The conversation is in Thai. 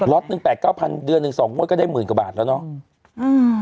ร็อต๑แปลก๙๐๐๐เดือน๑สองโม้ดก็ได้๑๐๐๐๐กว่าบาทแล้วเนอะ